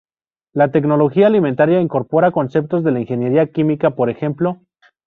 La tecnología alimentaria incorpora conceptos de la ingeniería química, por ejemplo.